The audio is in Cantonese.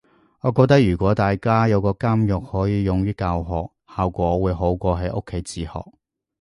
我覺得如果大家有個監獄可以用於教學，效果會好過喺屋企自學